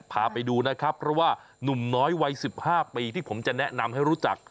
พาไปดูนะครับเพราะว่านุ่มน้อยวัย๑๕ปีที่ผมจะแนะนำให้รู้จัก